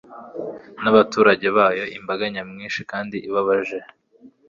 n'abaturage bayo imbaga nyamwinshi kandi ibabaje